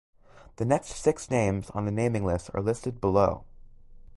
The next six names on the naming list are listed below.